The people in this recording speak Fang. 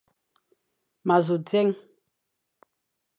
Ma zi dia.